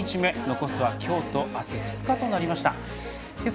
残すは今日とあす２日となりました。